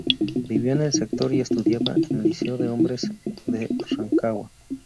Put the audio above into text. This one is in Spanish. Vivió en el sector y estudiaba en el Liceo de Hombres de Rancagua.